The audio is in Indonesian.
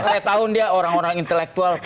saya tahu dia orang orang intelektual